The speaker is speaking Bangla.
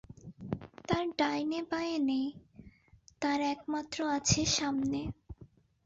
তার ডাইনে বাঁয়ে নেই, তার একমাত্র আছে সামনে।